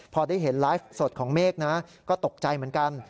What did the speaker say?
พอได้เห็นไลฟ์สดของเมฆนะก็ตกใจเหมือนกัน